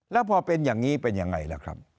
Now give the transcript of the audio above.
แล้วพอเป็นอย่างนี้เป็นยังไงล่ะครับ